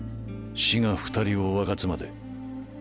死が２人を分かつまで。